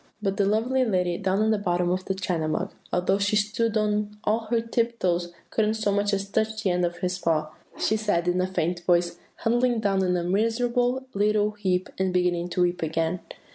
"But the lovely lady down in the bottom of the China Mug, although she stood on all her tip toes couldn't so much as touch the end of his paw. 'I shall die here,' she said, in a faint voice, huddling down in a miserable, little heap, and beginning to weep again.